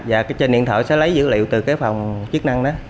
và trên điện thoại sẽ lấy dữ liệu từ cái phòng chức năng đó